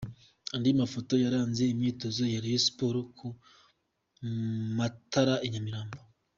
Andi mafoto yaranze imyitozo ya Reyo Siporo ku matara i Nyamirambo.